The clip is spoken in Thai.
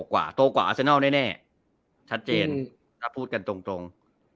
กว่าโตกว่าอาเซนัลแน่ชัดเจนพูดกันตรง